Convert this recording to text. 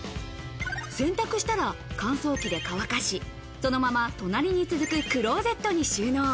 洗濯したら乾燥機で乾かし、そのまま隣に続くクローゼットに収納。